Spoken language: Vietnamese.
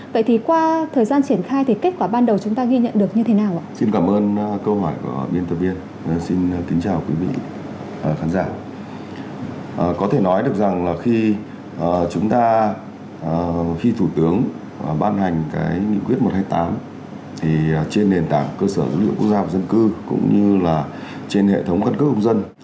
vậy thì qua thời gian triển khai thì kết quả ban đầu chúng ta ghi nhận được như thế nào ạ